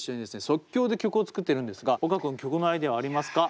即興で曲を作っているんですが岡君曲のアイデアはありますか？